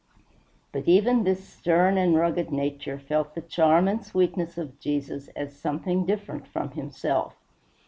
But even this stern and rugged nature felt the charm and sweetness of Jesus, as something different from himself.